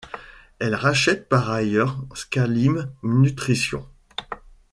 Elle rachète par ailleurs Scalime nutrition.